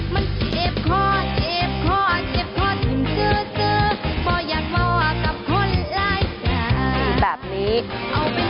มันเจ็บคลอดเจ็บคลอดเจ็บเจื้อ